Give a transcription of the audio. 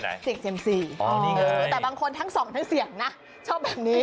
อ๋อนี่ไงแต่บางคนทั้งสองทั้งเสียงนะชอบแบบนี้